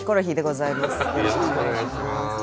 よろしくお願いします。